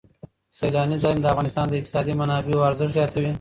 سیلانی ځایونه د افغانستان د اقتصادي منابعو ارزښت زیاتوي.